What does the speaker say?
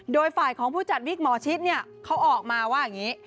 โดยฝ่ายของผู้จัดวิกหมอชิดเขาออกมาว่าอย่างนี้